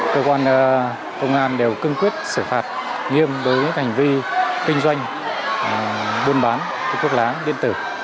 cơ quan công an đều cưng quyết xử phạt nghiêm đối với hành vi kinh doanh buôn bán thuốc lá điện tử